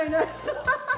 ハハハハ！